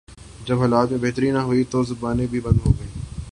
جب حالات میں بہتری نہ ہو اور زبانیں بھی بند ہوں۔